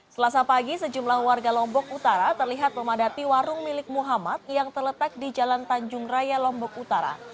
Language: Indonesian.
selasa pagi sejumlah warga lombok utara terlihat memadati warung milik muhammad yang terletak di jalan tanjung raya lombok utara